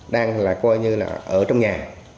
đang là coi như là ở trong nhà